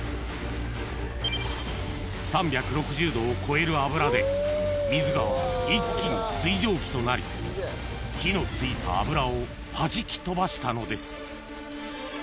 ［３６０℃を超える油で水が一気に水蒸気となり火の付いた油をはじき飛ばしたのです］